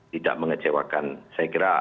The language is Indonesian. tidak mengecewakan saya kira